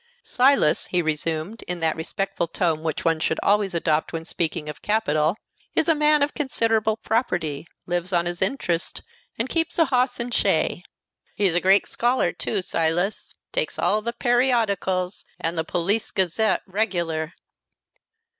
"Silas," he resumed, in that respectful tone which one should always adopt when speaking of capital, "is a man of considerable property; lives on his interest, and keeps a hoss and shay. He's a great scholar, too, Silas: takes all the pe ri odicals and the Police Gazette regular."